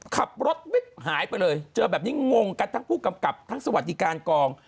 ขับรถวิบหายไปเลยเจอแบบนี้งงกันทั้งผู้กำกับทั้งสวัสดิการกอง